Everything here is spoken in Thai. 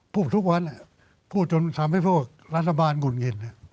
พูดทุกวันพูดจนทำให้พวกรัฐบาลหงุดหงิด